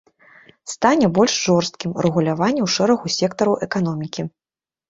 Стане больш жорсткім рэгуляванне ў шэрагу сектараў эканомікі.